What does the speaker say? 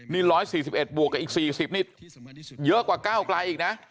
นี่๑๔๑บวกกับอีก๔๐นี่เยอะกว่าก้าวไกลอีกนะ